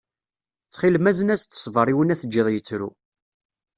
Ttxil-m azen-as-d ṣṣber i winna teǧǧiḍ yettru.